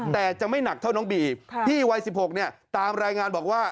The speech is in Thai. ตามรายงานบอกว่า